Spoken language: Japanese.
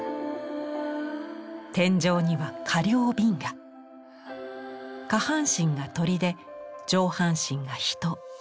天井には下半身が鳥で上半身が人。